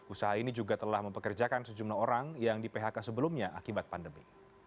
usaha ini juga telah mempekerjakan sejumlah orang yang di phk sebelumnya akibat pandemi